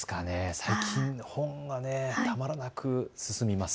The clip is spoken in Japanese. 最近、本がたまらなく進みます。